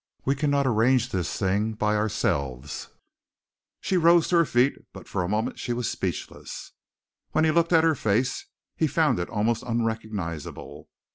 We cannot arrange this thing by ourselves." She rose to her feet, but for a moment she was speechless. When he looked at her face, he found it almost unrecognizable.